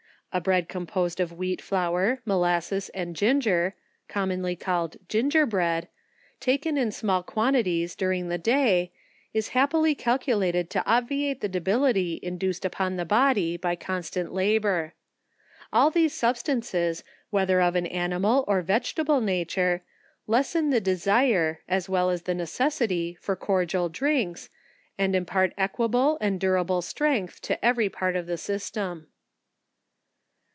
A bread composed of wheat flour, molasses, and ginger, (commonly called gin gerbread) taken in small quantities during the day, is happily calculated to obviate the debility induced upon the body by eonstant labour. All these substances, wheth er of an animal or vegetable nature, lessen the desire, as well as the necessity for cordial drinks, and impart equa ble, and durable strength, to every part of the system.